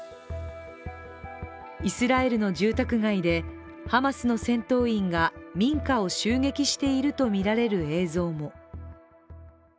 イスラエルの住宅街でハマスの戦闘員が民家を襲撃しているとみられる映像も。